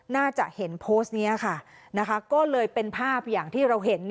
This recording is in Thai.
น่าจะเห็นโพสต์นี้ค่ะก็เลยเป็นภาพอย่างที่เราเห็น